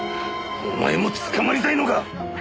お前も捕まりたいのか！